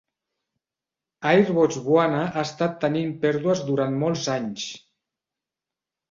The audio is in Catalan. Air Botswana ha estat tenint pèrdues durant molts anys.